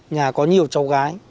nhà có nhiều cháu gái